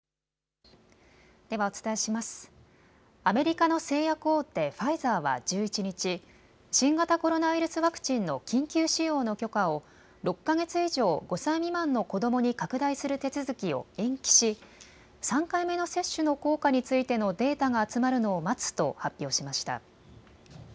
アメリカの製薬大手、ファイザーは１１日、新型コロナウイルスワクチンの緊急使用の許可を６か月以上５歳未満の子どもに拡大する手続きを延期し３回目の接種の効果についてのデータが集まるのを待つと発表しました。